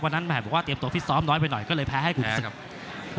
วันนั้นมหาบุคว่าเตรียมตัวฟิศซ้อมน้อยไปหน่อยก็เลยแพ้ให้กลุ่มศึกยาว